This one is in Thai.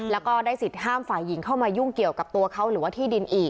แล้วก็ได้สิทธิ์ห้ามฝ่ายหญิงเข้ามายุ่งเกี่ยวกับตัวเขาหรือว่าที่ดินอีก